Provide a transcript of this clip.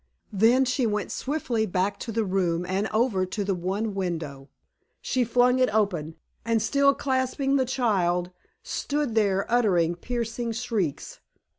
Then she went swiftly back to the room and over to the one window. She flung it open, and still clasping the child, stood there uttering piercing shrieks.